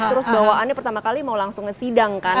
terus bawaannya pertama kali mau langsung ngesidang kan